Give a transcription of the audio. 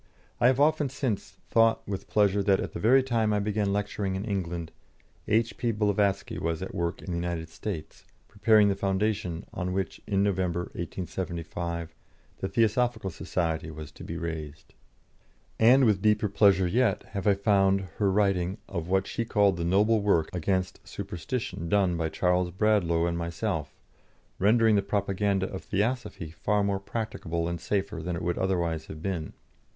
I have often since thought with pleasure that at the very time I began lecturing in England, H.P. Blavatsky was at work in the United States, preparing the foundation on which in November, 1875, the Theosophical Society was to be raised. And with deeper pleasure yet have I found her writing of what she called the noble work against superstition done by Charles Bradlaugh and myself, rendering the propaganda of Theosophy far more practicable and safer than it would otherwise have been.